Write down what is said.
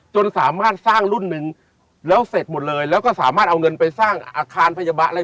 จนสามารถสร้างรุ่นหนึ่งแล้วเสร็จหมดเลยแล้วก็สามารถเอาเงินไปสร้างอาคารพยาบาลอะไร